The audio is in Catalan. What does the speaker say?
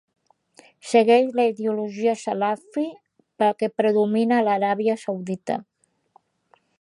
Segueix la ideologia salafi que predomina a l'Aràbia Saudita.